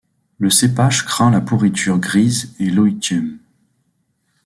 Le cépage craint la pourriture grise et l'oïdium.